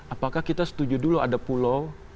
apakah kita setuju dulu ada pulau